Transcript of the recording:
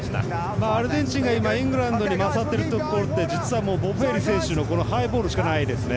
アルゼンチンが今イングランドに勝っているところって実はボッフェーリ選手のハイボールしかないですね。